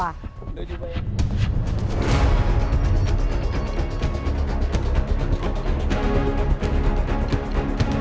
jangan gunakan untuk berkuasa